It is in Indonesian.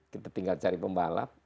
kita tinggal cari pembalap